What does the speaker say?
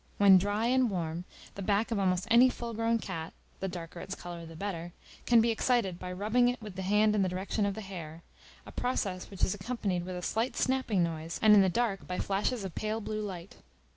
When dry and warm, the back of almost any full grown cat (the darker its color the better) can be excited by rubbing it with the hand in the direction of the hair, a process which is accompanied with a slight snapping noise, and in the dark by flashes of pale blue light.